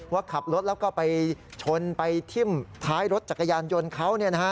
ว่าขับรถแล้วก็ไปชนไปทิ้มท้ายรถจักรยานยนต์เขา